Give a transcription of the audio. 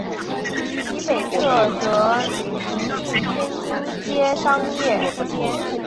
其北侧则邻近天津街商业街。